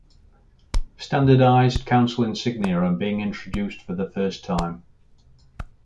Standardized council insignia are being introduced for the first time.